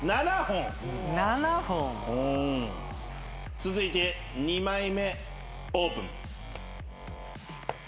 続いて２枚目オープン。